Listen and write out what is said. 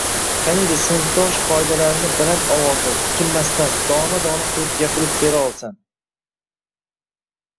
Qaniydi sifatdosh qoidalarini baland ovozda, tutilmasdan, dona-dona qilib gapirib Bera olsam